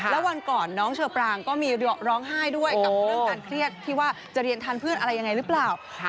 แล้ววันก่อนน้องเชอปรางก็มีร้องไห้ด้วยกับเรื่องการเครียดที่ว่าจะเรียนทานพืชอะไรยังไงหรือเปล่า